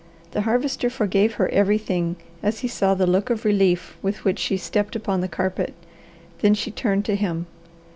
The Harvester forgave her everything as he saw the look of relief with which she stepped upon the carpet. Then she turned to him.